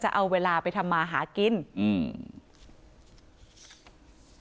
จะเอาเวลาไปทำมาหากินอืม